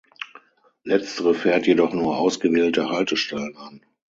Letztere fährt jedoch nur ausgewählte Haltestellen an.